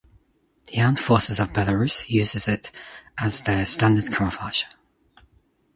The Armed Forces of Belarus uses it as their standard camouflage.